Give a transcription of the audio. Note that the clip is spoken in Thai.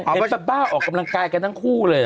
เห็นซาบ้าออกกำลังกายกันทั้งคู่เลย